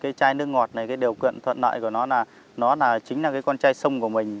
cái chai nước ngọt này cái điều kiện thuận lợi của nó là nó chính là cái con chai sông của mình